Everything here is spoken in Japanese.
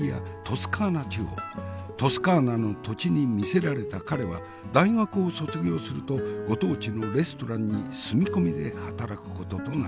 トスカーナの土地に魅せられた彼は大学を卒業するとご当地のレストランに住み込みで働くこととなる。